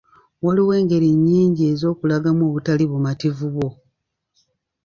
Waliwo engeri nnyingi ez’okulagamu obutali bumativu bwo.